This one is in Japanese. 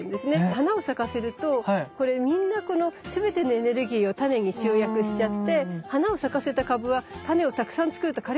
花を咲かせるとこれみんなこの全てのエネルギーをタネに集約しちゃって花を咲かせた株はタネをたくさん作ると枯れちゃうんです。